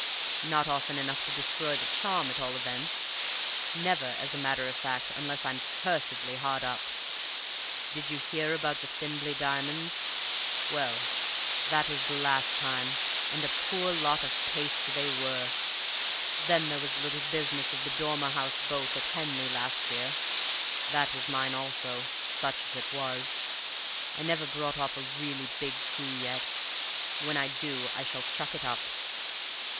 Not often enough to destroy the charm, at all events; never, as a matter of fact, unless I'm cursedly hard up. Did you hear about the Thimbleby diamonds? Well, that was the last time and a poor lot of paste they were. Then there was the little business of the Dormer house boat at Henley last year. That was mine also such as it was. I've never brought off a really big coup yet; when I do I shall chuck it up."